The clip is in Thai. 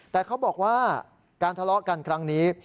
แต่เขาบอกว่าการทะเลาะกันครั้งนี้